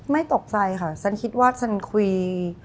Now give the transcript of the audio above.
ไม่ตกใจค่ะสิ่งที่ฉันคิดว่าซังคุย